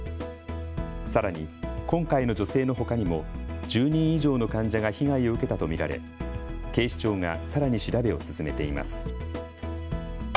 さらに今回の女性のほかにも１０人以上の患者が被害を受けたと見られ警視庁がさらに調べを進めています。